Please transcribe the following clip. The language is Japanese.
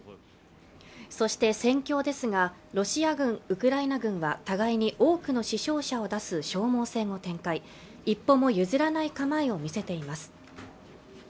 そして戦況ですがロシア軍ウクライナ軍は互いに多くの死傷者を出す消耗戦を展開一歩も譲らない構えを見せています